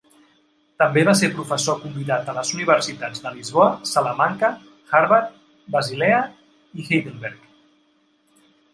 També va ser professor convidat a les universitats de Lisboa, Salamanca, Harvard, Basilea i Heidelberg.